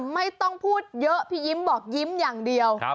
ไม่ต้องพูดเยอะพี่ยิ้มบอกยิ้มอย่างเดียว